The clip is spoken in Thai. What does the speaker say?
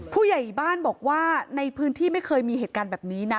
ผู้ใหญ่บ้านบอกว่าในพื้นที่ไม่เคยมีเหตุการณ์แบบนี้นะ